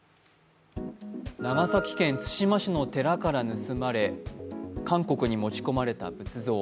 長崎県対馬市の寺から盗まれ韓国に持ち込まれた仏像。